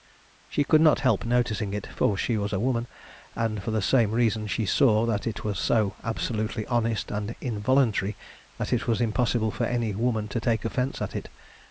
She could not help noticing it, for she was a woman, and for the same reason she saw that it was so absolutely honest and involuntary that it was impossible for any woman to take offence at it.